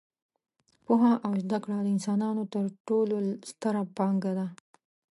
پوهه او زده کړه د انسانانو تر ټولو ستره پانګه ده.